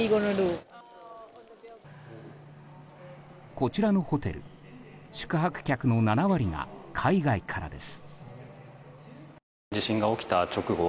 こちらのホテル宿泊客の７割が海外からです。